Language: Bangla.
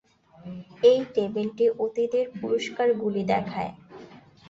এই টেবিলটি অতীতের পুরস্কারগুলি দেখায়।